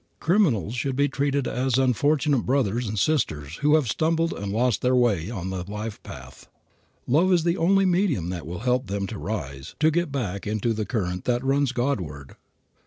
Criminals should be treated as unfortunate brothers and sisters who have stumbled and lost their way on the life path. Love is the only medium that will help them to rise, to get back into the current that runs Godward.